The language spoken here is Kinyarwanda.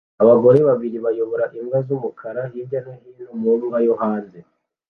Abagore babiri bayobora imbwa z'umukara hirya no hino mu mbwa yo hanze